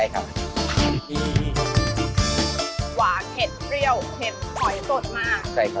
หวานเผ็ดเปรี้ยวเผ็ดหอยสดมาก